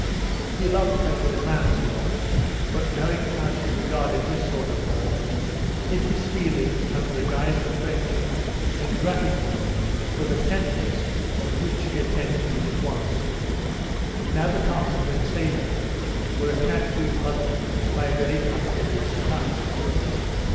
He loved her with a man's love, but knowing how she regarded this sort of love, hid his feelings under the guise of friendship and gratitude for the tenderness with which she attended to his wants. Nabatoff and Rintzeva were attached to each other by very complicated ties.